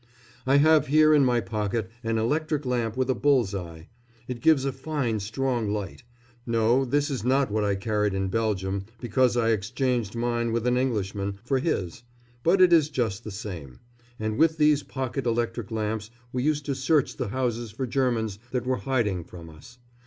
I have here in my pocket an electric lamp with a bull's eye. It gives a fine strong light. No, this is not what I carried in Belgium, because I exchanged mine with an Englishman for his; but it is just the same. And with these pocket electric lamps we used to search the houses for Germans that were hiding from us.